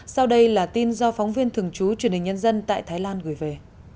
sau đây là tin do phóng viên thường trú truyền hình nhân dân tại thái lan gửi về